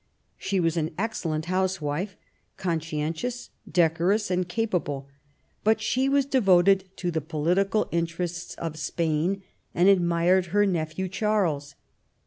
She was an excellent housewife, conscientious, decorous, and capable; but she was devoted to the political interests of Spain, 152 THOMAS WOLSEY chap. and admired her nephew Charles.